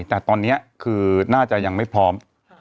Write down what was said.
แต่ตอนนี้คือน่าจะยังไม่พร้อม